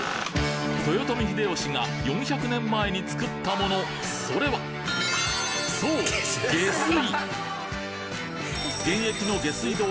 豊臣秀吉が４００年前に造ったものそれはそう下水！